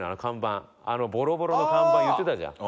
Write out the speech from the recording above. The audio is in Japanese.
「あのボロボロの看板言ってたじゃん」